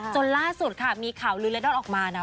จนล่าสุดค่ะมีข่าวลื้อเลดอนออกมานะ